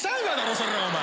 それお前！